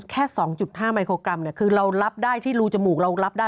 แค่๒๕ไมโครกรัมคือเรารับได้ที่รูจมูกเรารับได้